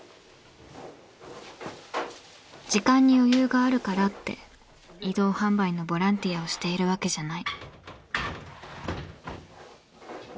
時間に余裕があるからって移動販売のボランティアをしているわけじゃない。